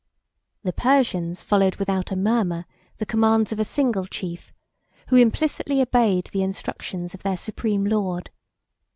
The Persians followed, without a murmur, the commands of a single chief, who implicitly obeyed the instructions of their supreme lord.